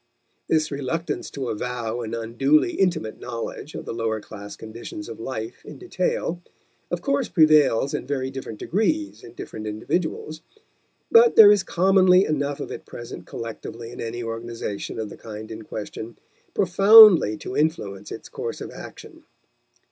This reluctance to avow an unduly intimate knowledge of the lower class conditions of life in detail of course prevails in very different degrees in different individuals; but there is commonly enough of it present collectively in any organization of the kind in question profoundly to influence its course of action.